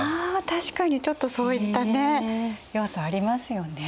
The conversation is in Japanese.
確かにちょっとそういったね要素ありますよね。